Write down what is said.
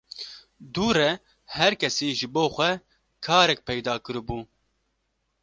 Dû re her kesî ji bo xwe karek peyda kiribû